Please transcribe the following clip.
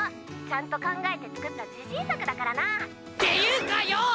ちゃんと考えて作った自信作だからな。っていうかよぉ！